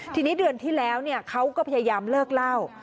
ทีนี้เดือนที่แล้วเขาก็พยายามเลิกเล่า